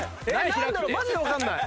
マジで分かんない。